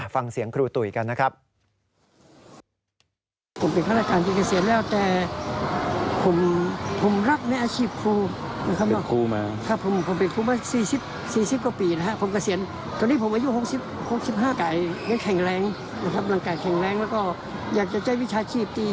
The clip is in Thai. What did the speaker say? ฟังเสียงครูตุ๋ยกันนะครับ